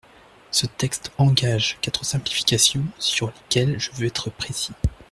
Ce texte engage quatre simplifications sur lesquelles je veux être précis.